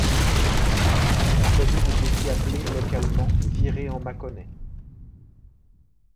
La commune est aussi appelée localement Viré-en-Mâconnais.